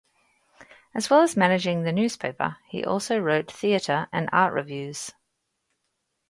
As well as managing the newspaper he also wrote theatre and art reviews.